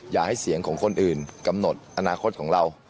อย่าให้เสียงของคนอื่นกำหนดอนาคตของเรา